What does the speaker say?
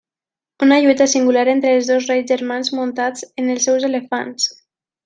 Una lluita singular entre els dos reis germans muntats en els seus elefants.